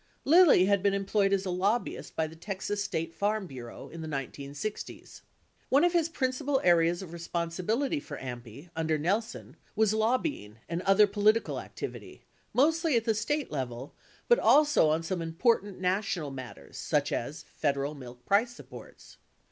Lilly had been employed as a lobbyist by the Texas State Farm Bureau in the 1960's. One of his principal areas of responsibility for AMPI, under Nelson, was lobbying and other political activity 6 mostly at the State level but also on some important national mat ters, such as Federal milk price supports.